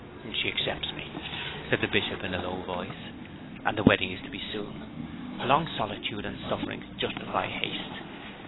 'She accepts me,' said the Bishop in a low voice. 'And the wedding is to be soon. Her long solitude and sufferings justify haste.